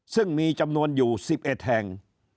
ซึ่งมีจำนวนอยู่สิบเอ็ดแห่ง